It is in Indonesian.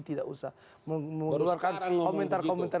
tidak usah mengeluarkan komentar komentar